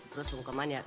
terus sungkeman ya